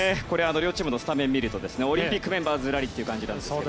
両チームのスタメンを見るとオリンピックメンバーがずらりといった感じで。